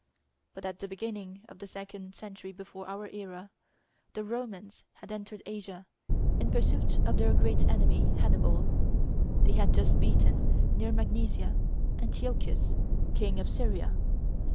But at the beginning of the second century before our era, the Romans had entered Asia, in pursuit of their great enemy, Hannibal. They had just beaten, near Magnesia, Antiochus, King of Syria.